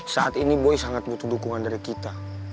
saat ini boy sangat butuh dukungan dari kita